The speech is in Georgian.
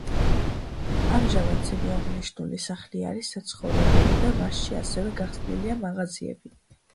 ამჟამად ზემოაღნიშნული სახლი არის საცხოვრებელი და მასში ასევე გახსნილია მაღაზიები.